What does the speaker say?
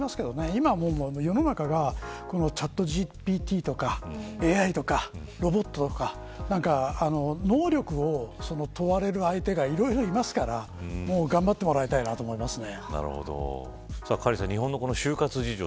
今は、世の中がＣｈａｔＧＰＴとかＡＩとかロボットとか能力を問われる相手がいろいろいますから頑張ってもらいたいなと思いますね。